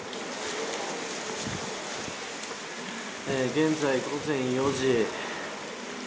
現在午前４時。